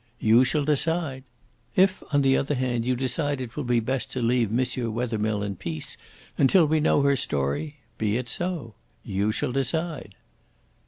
You shall decide. If, on the other hand, you think it will be best to leave M. Wethermill in peace until we know her story, be it so. You shall decide."